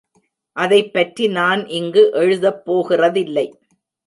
அதைப்பற்றி நான் இங்கு எழுதப் போகிறதில்லை.